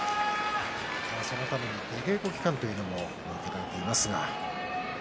そのために出稽古期間というのも設けられています。